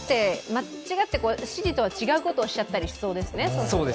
間違って指示とは違うことをしちゃいそうですよね。